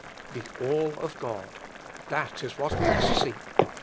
The All of God : that is what we must seek.